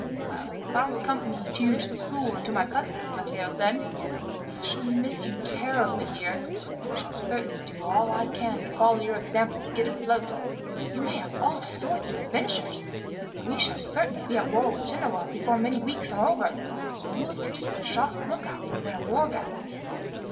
"Well, I will accompany you to the school and to my cousin's," Matteo said. "I shall miss you terribly here, and shall certainly do all I can to follow your example, and get afloat. You may have all sorts of adventures, for we shall certainly be at war with Genoa before many weeks are over, and you will have to keep a sharp lookout for their war galleys.